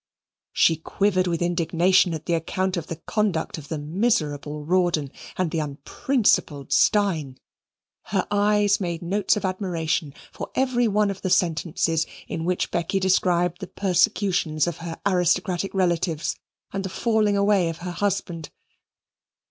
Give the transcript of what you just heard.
She quivered with indignation at the account of the conduct of the miserable Rawdon and the unprincipled Steyne. Her eyes made notes of admiration for every one of the sentences in which Becky described the persecutions of her aristocratic relatives and the falling away of her husband.